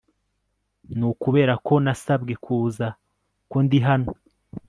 Ni ukubera ko nasabwe kuza ko ndi hano